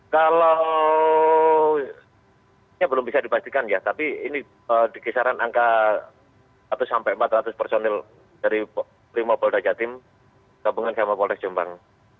kalau ini belum bisa dipastikan ya tapi ini dikisaran angka seratus empat ratus personil dari lima wolda jatim gabungan sama polres jombang